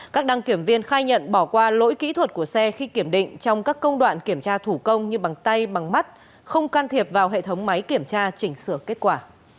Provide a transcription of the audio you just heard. các đăng kiểm viên khai nhận bỏ qua lỗi kỹ thuật của xe khi kiểm định trong các công đoạn kiểm tra thủ công như bằng tay bằng mắt không can thiệp vào hệ thống máy kiểm tra chỉnh sửa kết quả